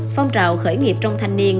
phong trào khởi nghiệp trong thanh niên